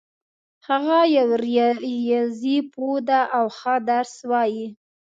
هغه یو ریاضي پوه ده او ښه درس وایي